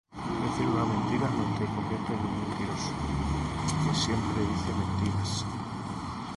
Decir una mentira no te convierte en un mentiroso que siempre dice mentiras.